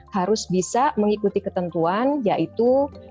harus bisa mengikuti ketentuan yaitu